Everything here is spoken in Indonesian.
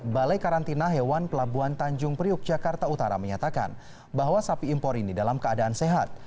balai karantina hewan pelabuhan tanjung priuk jakarta utara menyatakan bahwa sapi impor ini dalam keadaan sehat